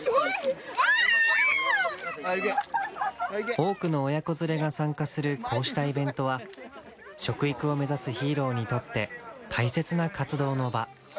多くの親子連れが参加するこうしたイベントは食育を目指すヒーローにとって大切な活動の場。